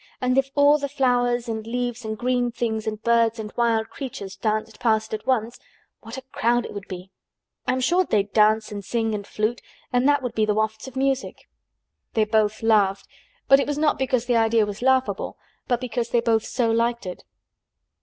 And if all the flowers and leaves and green things and birds and wild creatures danced past at once, what a crowd it would be! I'm sure they'd dance and sing and flute and that would be the wafts of music." They both laughed but it was not because the idea was laughable but because they both so liked it.